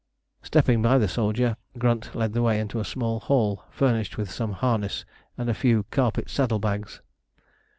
Stepping by the soldier, Grunt led the way into a small hall furnished with some harness and a few carpet saddle bags.